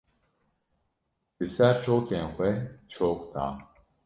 Li ser çokên xwe çok da.